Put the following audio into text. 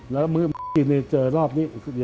แล้วเจอรอบนี้